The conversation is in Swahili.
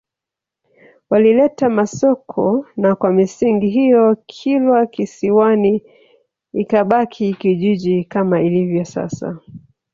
Walileta Masoko na kwa misingi hiyo Kilwa Kisiwani ikabaki kijiji kama ilivyo sasa